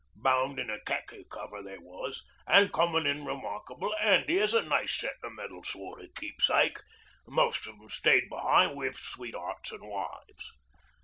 Bound in a khaki cover they was, an', comin' in remarkable 'andy as a nice sentimental sort o' keepsake, most of 'em stayed be'ind wi' sweet'earts an' wives.